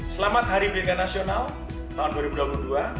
selamat hari pendidikan nasional tahun dua ribu dua puluh dua